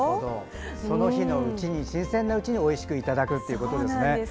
その日のうちに新鮮なうちにおいしくいただくということですね。